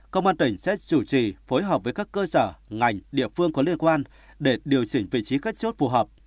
công an tỉnh sẽ chủ trì phối hợp với các cơ sở ngành địa phương có liên quan để điều chỉnh vị trí cách chốt phù hợp